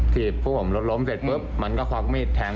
ถีบรถล้มแล้วทุกคนขุมีอีทเท้ง